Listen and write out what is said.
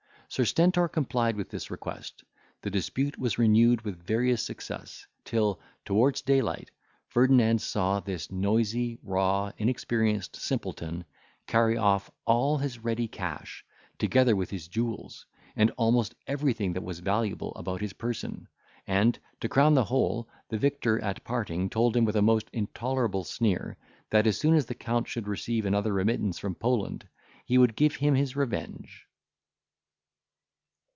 Sir Stentor complied with this request; the dispute was renewed with various success, till, towards daylight, Ferdinand saw this noisy, raw, inexperienced simpleton, carry off all his ready cash, together with his jewels, and almost everything that was valuable about his person; and, to crown the whole, the victor at parting told him with a most intolerable sneer, that as soon as the Count should receive another remittance from Poland, he would give him his revenge.